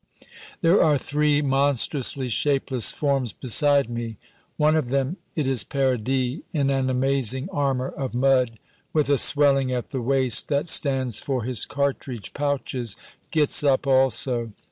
There are three monstrously shapeless forms beside me. One of them it is Paradis, in an amazing armor of mud, with a swelling at the waist that stands for his cartridge pouches gets up also.